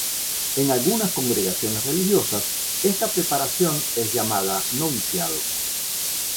En algunas congregaciones religiosas, esta preparación es llamada noviciado.